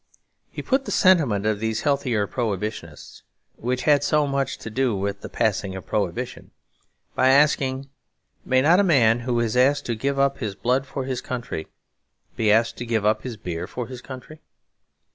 He put the sentiment of these healthier Prohibitionists, which had so much to do with the passing of Prohibition, by asking, 'May not a man who is asked to give up his blood for his country be asked to give up his beer for his country?'